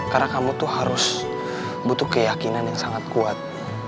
karena kamu tuh harus butuh keyakinan yang sangat kuat